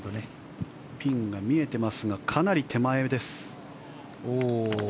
ピンが見えていますがかなり手前です。